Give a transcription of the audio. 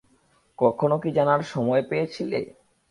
কখনও কি জানার সময় পেয়েছিলে?